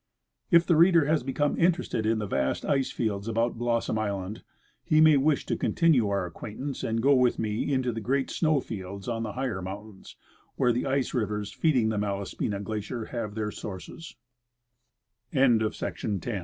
If the reader has become interested in the vast ice fields about Blossom island, he may wish to continue our acquaintance and go with me into the great snow fields on the higher mountains, where the ice rivers feeding the Malaspi